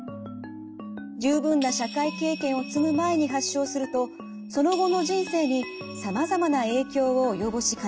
十分な社会経験を積む前に発症するとその後の人生にさまざまな影響を及ぼしかねません。